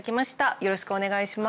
よろしくお願いします。